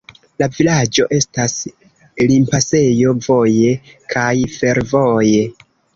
La vilaĝo estas limpasejo voje kaj fervoje.